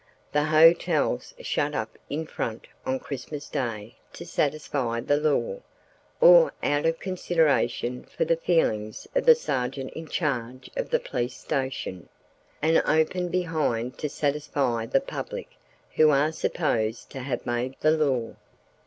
The hotels shut up in front on Christmas Day to satisfy the law (or out of consideration for the feelings of the sergeant in charge of the police station), and open behind to satisfy the public, who are supposed to have made the law.